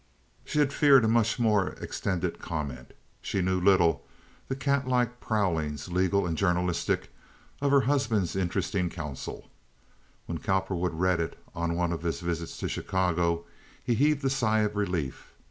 She had feared a much more extended comment. She little knew the cat like prowlings, legal and journalistic, of her husband's interesting counsel. When Cowperwood read it on one of his visits to Chicago he heaved a sigh of relief.